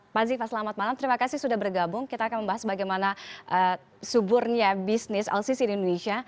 pak ziva selamat malam terima kasih sudah bergabung kita akan membahas bagaimana suburnya bisnis lcc di indonesia